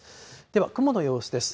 では、雲の様子です。